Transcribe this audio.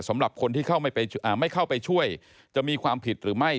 สำหรับคนที่ไม่เข้าไปช่วยจะมีความผิดหรือไม่